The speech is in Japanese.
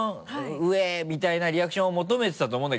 「うえ！」みたいなリアクションを求めてたと思うんだけど。